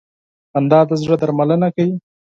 • خندا د زړه درملنه کوي.